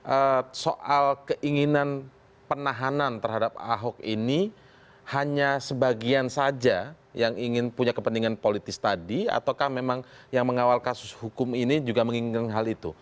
oke soal keinginan penahanan terhadap ahok ini hanya sebagian saja yang ingin punya kepentingan politis tadi ataukah memang yang mengawal kasus hukum ini juga menginginkan hal itu